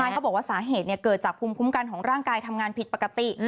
เขาบอกว่าสาเหตุเกิดจากภูมิคุ้มกันของร่างกายทำงานผิดปกติ